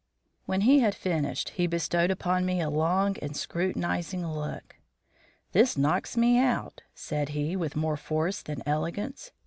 When he had finished, he bestowed upon me a long and scrutinising look. "This knocks me out," said he, with more force than elegance.